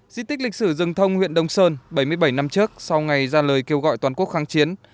di tích lịch sử rừng thông huyện đông sơn bảy mươi bảy năm trước sau ngày ra lời kêu gọi toàn quốc kháng chiến